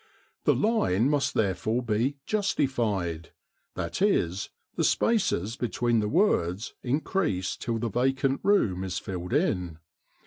The line must therefore be "justified," that is, the spaces between the words increased till the vacant room is filled in.